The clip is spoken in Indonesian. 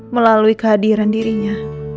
melalui kehadiran dirinya